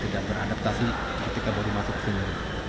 tidak beradaptasi ketika bodi masuk ke sini